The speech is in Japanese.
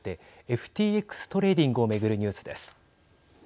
ＦＴＸトレーディングを巡るニュースです。